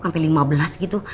sampe lima belas gitu